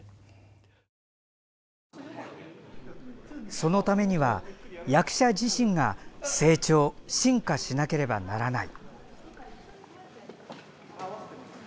そのためには、役者自身が成長・進化しなければならない。